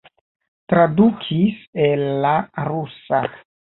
Tradukis el la rusa.